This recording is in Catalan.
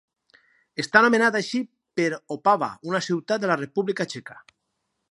Està nomenat així per Opava, una ciutat de la República Txeca.